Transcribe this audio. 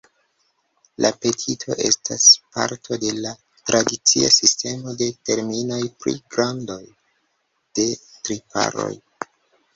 La petito estas parto de la tradicia sistemo de terminoj pri grandoj de tiparoj.